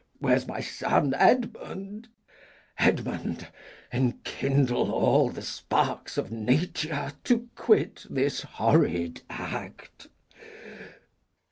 Where's my son Edmund? Edmund, enkindle all the sparks of nature To quit this horrid act.